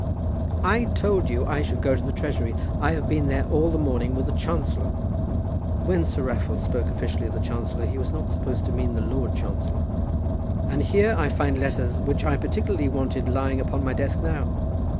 "I told you I should go to the Treasury. I have been there all the morning with the chancellor," when Sir Raffle spoke officially of the chancellor he was not supposed to mean the Lord Chancellor "and here I find letters which I particularly wanted lying upon my desk now.